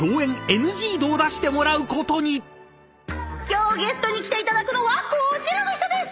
今日ゲストに来てもらうのはこちらの人です！